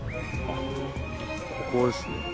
あっここですね。